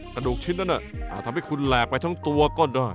กระดูกชิ้นนั้นอาจทำให้คุณแหลกไปทั้งตัวก็ได้